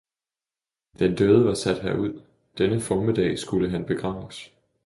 den døde var sat herud, denne formiddag skulle han begraves.